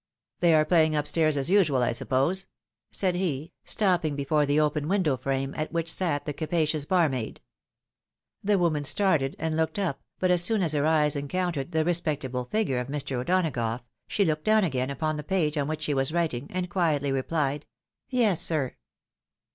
" They are playing up stairs as usual, I suppose? " said he, stopping before the open window frame, at whloh sat the capa cious barmaid. The woman started, and looked up, but as soon as her eyes encountered the respectable fig ure of Mr. O'Donagough, she looked down again upon the page on which she was writing, and quietly rephed, " Yes, sir."